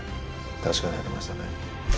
確かにありましたね。